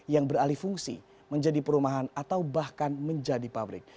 yang beralih fungsi menjadi perumahan atau bahkan menjadi pabrik